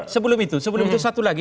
sebelum itu sebelum itu satu lagi